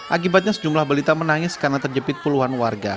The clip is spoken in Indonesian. akibatnya sejumlah balita menangis karena terjepit puluhan warga